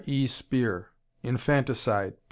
E. Speer, Infanticide, pp.